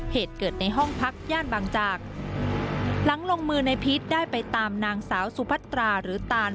เหตุเกิดในห้องพักย่านบางจากหลังลงมือในพีชได้ไปตามนางสาวสุพัตราหรือตาน